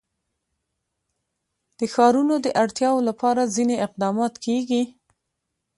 د ښارونو د اړتیاوو لپاره ځینې اقدامات کېږي.